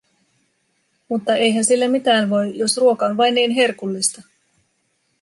Mutta eihän sille mitään voi, jos ruoka on vain niin herkullista.